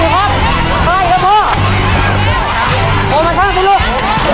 ไปแล้วพ่อเอามาช่องสิลูก